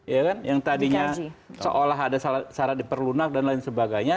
ya kan yang tadinya seolah ada syarat diperlunak dan lain sebagainya